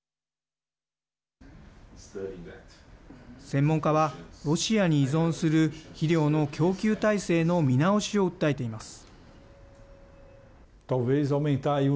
専門家は、ロシアに依存する肥料の供給体制の見直しを訴えています。